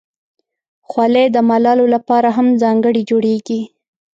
خولۍ د ملالو لپاره هم ځانګړې جوړیږي.